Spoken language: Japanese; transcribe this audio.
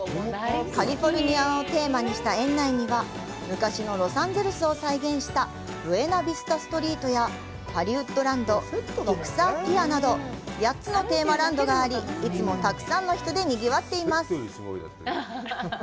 カリフォルニアをテーマにした園内には、昔のロサンゼルスを再現したブエナビスタ・ストリートや、ハリウッド・ランド、ピクサー・ピアなど、８つのテーマランドがあり、いつもたくさんの人でにぎわっています。